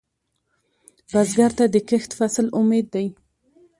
بزګر ته د کښت فصل امید دی